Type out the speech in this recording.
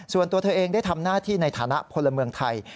ส่วนตัวเธอเองได้ทำหน้าที่ในฐานะพลเมืองไทย